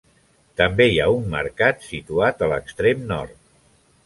També hi ha un mercat, situat a l'extrem nord.